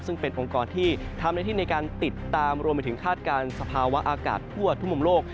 ซึ่งเป็นองค์กรที่ทำหน้าที่ในการติดตามรวมไปถึงคาดการณ์สภาวะอากาศทั่วทุกมุมโลก